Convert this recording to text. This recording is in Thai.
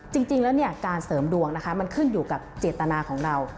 จริงแล้วการเสริมดวงมันขึ้นอยู่กับเจตนาของเรา